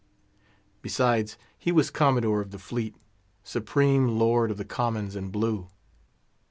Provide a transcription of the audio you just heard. Besides, he was Commodore of the fleet, supreme lord of the Commons in Blue.